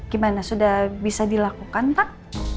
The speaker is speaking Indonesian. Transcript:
gimana sudah bisa dilakukan pak